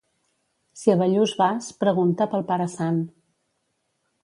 Si a Bellús vas, pregunta pel Pare Sant.